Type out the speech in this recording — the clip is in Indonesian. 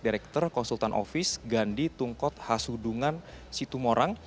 direktur konsultan office gandhi tungkot hasudungan situmorang